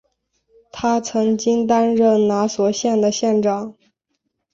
他曾经担任拿索县的县长。